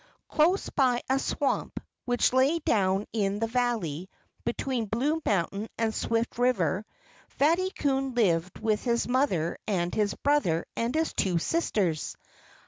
Close by a swamp, which lay down in the valley, between Blue Mountain and Swift River, Fatty Coon lived with his mother and his brother and his two sisters.